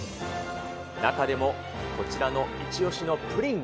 中でもこちらのイチオシのプリン